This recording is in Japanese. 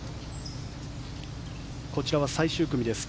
こちらは最終組です。